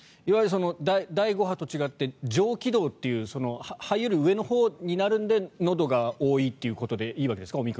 いわゆる第５波と違って上気道という肺より上のほうになるのでのどが多いということでいいわけですか？